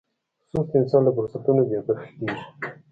سست انسان له فرصتونو بې برخې کېږي.